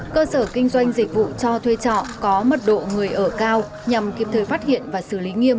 cơ sở kinh doanh dịch vụ cho thuê trọ có mật độ người ở cao nhằm kịp thời phát hiện và xử lý nghiêm